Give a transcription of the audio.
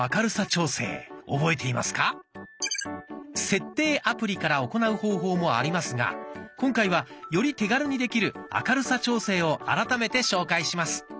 「設定」アプリから行う方法もありますが今回はより手軽にできる明るさ調整を改めて紹介します。